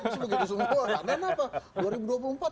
terus begitu semua karena kenapa